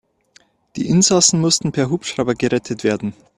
Die Insassen mussten per Hubschrauber gerettet werden.